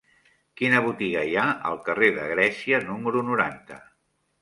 Quina botiga hi ha al carrer de Grècia número noranta?